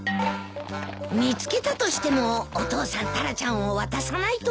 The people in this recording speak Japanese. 見つけたとしてもお父さんタラちゃんを渡さないと思うよ。